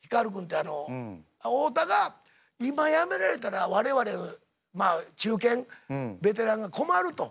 太田が「今辞められたら我々中堅ベテランが困る」と。